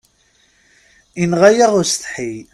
Inɣa-yaɣ usetḥi.